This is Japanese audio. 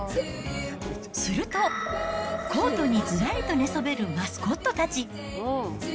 すると、コートにずらりと寝そべるマスコットたち。